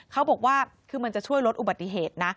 เขาบอกว่าคือมันจะช่วยลดอุบัติเหตุนะ